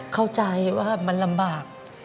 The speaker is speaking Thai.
เข้าใจว่ามันลำบาก